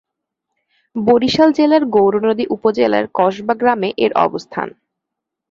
বরিশাল জেলার গৌরনদী উপজেলার কসবা গ্রামে এর অবস্থান।